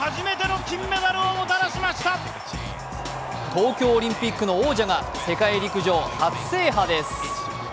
東京オリンピックの王者が世界陸上初制覇です。